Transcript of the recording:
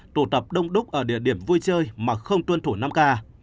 tụ tập đông đúc ở địa điểm vui chơi mà không tuân thủ năm k